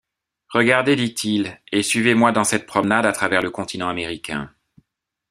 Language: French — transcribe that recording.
Regardez, dit-il, et suivez-moi dans cette promenade à travers le continent américain.